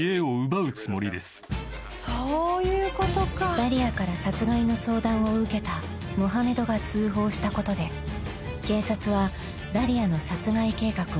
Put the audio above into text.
［ダリアから殺害の相談を受けたモハメドが通報したことで警察はダリアの殺害計画を知る］